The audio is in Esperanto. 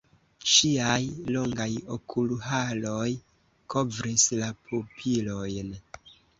Ŝiaj longaj okulharoj kovris la pupilojn.